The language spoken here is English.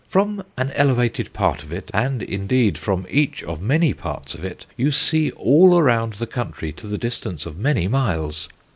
From an elevated part of it, and, indeed, from each of many parts of it, you see all around the country to the distance of many miles.